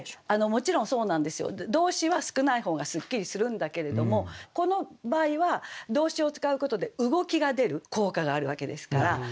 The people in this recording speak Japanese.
もちろん動詞は少ない方がスッキリするんだけれどもこの場合は動詞を使うことで動きが出る効果があるわけですから。